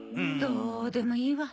どうでもいいわ。